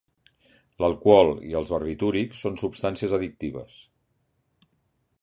L'alcohol i els barbitúrics són substàncies addictives.